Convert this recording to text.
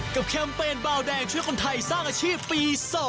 แคมเปญเบาแดงช่วยคนไทยสร้างอาชีพปี๒